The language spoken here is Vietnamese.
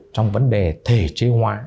trong vấn đề thể chế hoạ